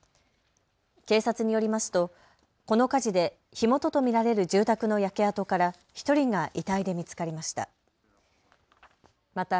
警察によりますとこの火事で火元と見られる住宅の焼け跡から１人が遺体で見つかりました。